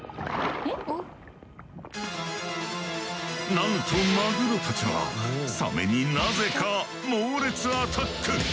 なんとマグロたちはサメになぜか猛烈アタック！